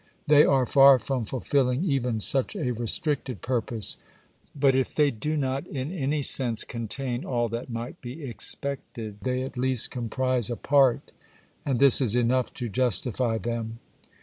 They are far from fulfilling even such a restricted purpose, but if they do not in any sense contain all that might be expected, they at least comprise a part, and this is enough to justify them.